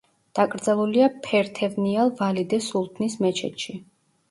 დაკრძალულია ფერთევნიალ ვალიდე სულთნის მეჩეთში.